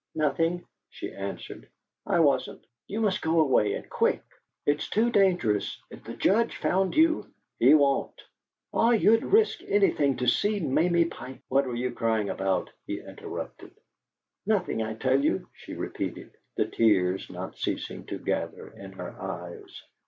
"Nothing," she answered. "I wasn't. You must go away, and quick. It's too dangerous. If the Judge found you " "He won't!" "Ah, you'd risk anything to see Mamie Pike " "What were you crying about?" he interrupted. "Nothing, I tell you!" she repeated, the tears not ceasing to gather in her eyes.